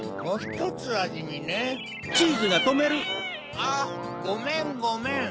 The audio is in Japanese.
あっごめんごめん。